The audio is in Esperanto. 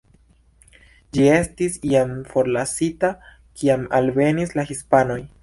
Ĝi estis jam forlasita, kiam alvenis la hispanoj.